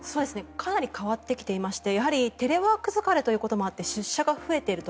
かなり変わってきていましてやはりテレワーク疲れということもあって出社が増えていると。